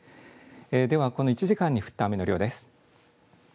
では、この１時間に降った雨の量です。